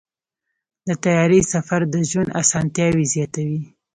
د طیارې سفر د ژوند اسانتیاوې زیاتوي.